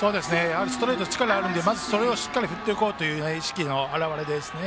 ストレートに力があるのでそれをしっかりと振っていこうという意識の表れでしたね。